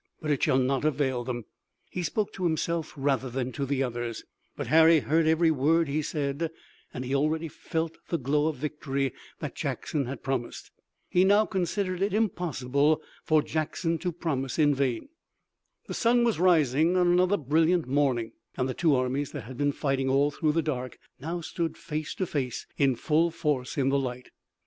But it shall not avail them." He spoke to himself rather than to the others, but Harry heard every word he said, and he already felt the glow of the victory that Jackson had promised. He now considered it impossible for Jackson to promise in vain. The sun was rising on another brilliant morning, and the two armies that had been fighting all through the dark now stood face to face in full force in the light.